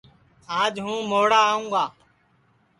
آج ہوں مھوڑا آوں گا